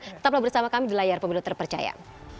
tetap berbicara bersama kami di layar pemilu terpercaya